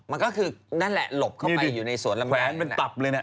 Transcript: มันก็คือนั่นแหละหลบเข้าไปอยู่ในสวนลำไย